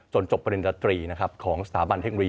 จนจบประเด็นดัตรีของสถาบันเทคงรี